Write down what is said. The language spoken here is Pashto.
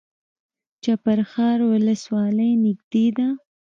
چپرهار ولسوالۍ نږدې ده؟